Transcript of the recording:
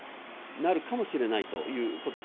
なるかもしれないということです。